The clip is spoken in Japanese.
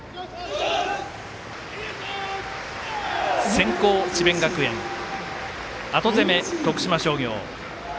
先攻、智弁学園後攻め、徳島商業。